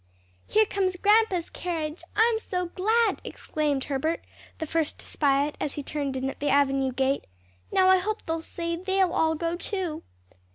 "Here comes grandpa's carriage. I'm so glad!" exclaimed Herbert, the first to spy it as it turned in at the avenue gate. "Now I hope they'll say they'll all go too."